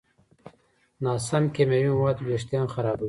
ناسم کیمیاوي مواد وېښتيان خرابوي.